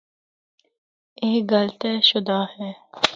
اے گل طے شدہ ہے۔